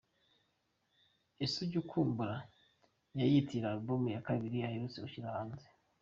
Ese Ujya Unkumbura’ yayitiriye album ya Kabiri aherutse gushyira hanze.